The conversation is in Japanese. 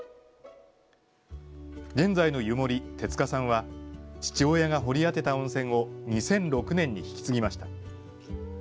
現在の湯守、手塚さんは、父親が掘り当てた温泉を２００６年に引き継ぎました。